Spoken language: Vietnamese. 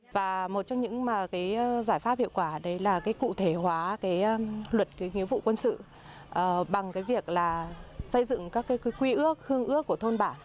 và một trong những giải pháp hiệu quả là cụ thể hóa luật nghĩa vụ quân sự bằng việc xây dựng các quy ước hương ước của thôn bản